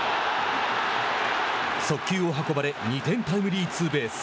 速球を運ばれ２点タイムリーツーベース。